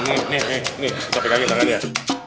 ini ini ini kita pegangin tangannya ya